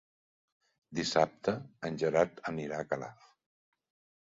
Dissabte en Gerard anirà a Calaf.